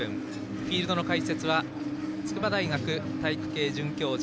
フィールドの解説は筑波大学体育系准教授